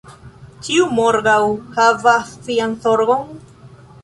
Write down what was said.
Ĉiu morgaŭ havas sian zorgon.